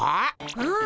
うん。